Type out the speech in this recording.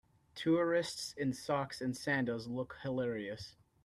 Tourists in socks and sandals look hilarious.